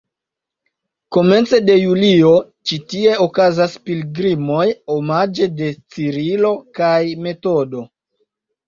Komence de julio ĉi tie okazas pilgrimoj omaĝe de Cirilo kaj Metodo.